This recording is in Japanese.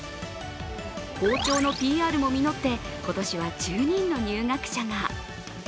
校長のＰＲも実って今年は１０人の入学者が。